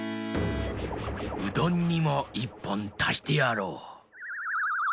うどんにも１ぽんたしてやろう。